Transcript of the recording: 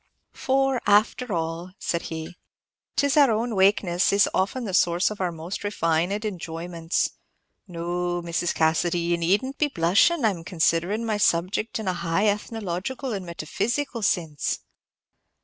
"For, after all," said he, "'tis our own wakenesses is often the source of our most refined enjoyments. No, Mrs. Cassidy, ye need n't be blushin'. I 'm considerin' my subject in a high ethnological and metaphysical sinse."